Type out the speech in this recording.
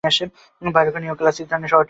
Baroque ও neo classic ধরনে শহরটি গড়ে উঠে।